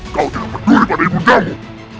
kau tidak peduli pada ibundamu